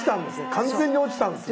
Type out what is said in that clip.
完全に落ちたんですね。